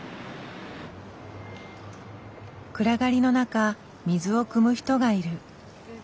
暗がりの中水をくむ人がいる。